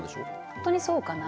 本当にそうかな？